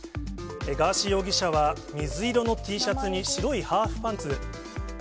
ガーシー容疑者は、水色のＴシャツに白いハーフパンツ。